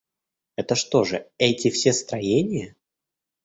Это что же эти все строения?